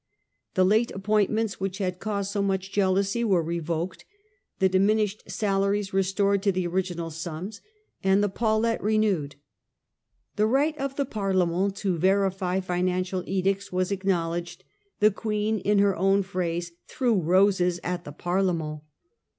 The late appointments which had caused so much jealousy were revoked, the diminished salaries restored to the original sums, and the Paulette renewed. The right of the Parlement to verily financial edicts was acknowledged. The Queen, in her own phrase, * threw roses at the Parlement